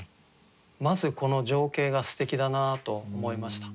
まずこの情景がすてきだなあと思いました。